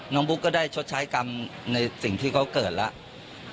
บุ๊กก็ได้ชดใช้กรรมในสิ่งที่เขาเกิดแล้ว